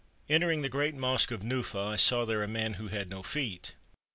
Entering the great mosque of Nufah, I saw there a man who had no feet.